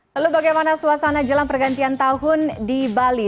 halo bagaimana suasana jalan pergantian tahun di bali